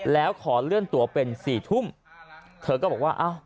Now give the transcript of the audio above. แล้วขอเลื่อนตัวเป็นสี่ทุ่มเธอก็บอกว่าอ้าว